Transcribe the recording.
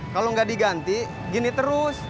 kalau nggak diganti gini terus